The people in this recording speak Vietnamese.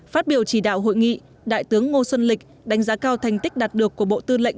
phát biểu chỉ đạo hội nghị đại tướng ngô xuân lịch đánh giá cao thành tích đạt được của bộ tư lệnh